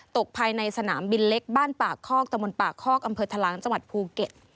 ตกภายในสนามบินเล็กบ้านปากคอกตะมนต์ปากคอกอำเภอทะล้างจังหวัดภูเก็ต